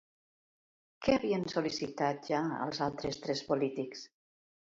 Què havien sol·licitat ja els altres tres polítics?